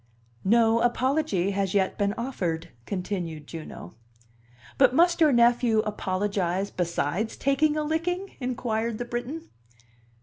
"No apology has yet been offered," continued Juno. "But must your nephew apologize besides taking a licking?" inquired the Briton.